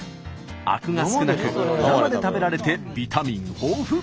あくが少なく生で食べられてビタミン豊富。